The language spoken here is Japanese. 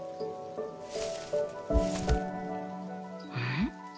ん？